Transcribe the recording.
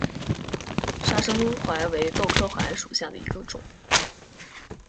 砂生槐为豆科槐属下的一个种。